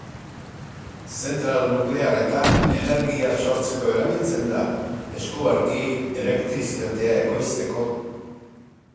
Zentral nuklearretan energia sortzeko erabiltzen da, eskuarki elektrizitate ekoizteko.